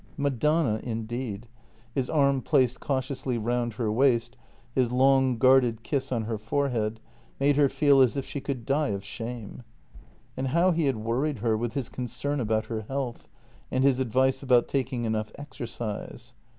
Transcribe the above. Madonna, indeed! His arm placed cautiously round her waist, his long, guarded kiss on her forehead, made her feel as if she could die of shame. And how he had worried her with his concern about her health and his advice about taking enough exercise.